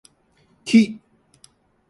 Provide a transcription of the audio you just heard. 木